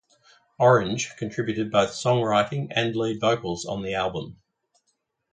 Orange contributed both songwriting and lead vocals on the album.